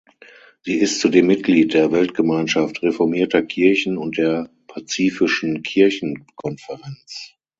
Sie ist zudem Mitglied der Weltgemeinschaft Reformierter Kirchen und der Pazifischen Kirchenkonferenz.